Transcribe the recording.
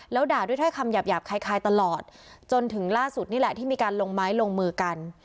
แล้วด่าด้วยถ้อยคำหยาบคล้ายตลอดจนถึงล่าสุดนี่แหละที่มีการลงไม้ลงมือกัน